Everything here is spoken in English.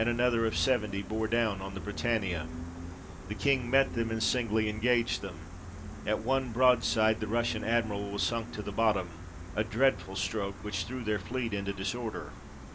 10, 1901. THE RUSSIAN FLEET DEFEATED. 23 another of 70 bore down on the Britannia ; the King met them, and singly engaged them. At one broadside the Russian Admiral was sunk to the bottom, a dreadful stroke, which threw their fleet into disorder.